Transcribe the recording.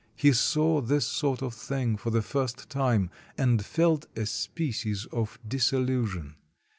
He saw this sort of thing for the first time, and felt a species of disillusion.